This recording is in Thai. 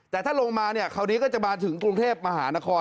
แต่ถ้าลงมาเขานี้ก็จะมาถึงกรุงเทพฯมหานคร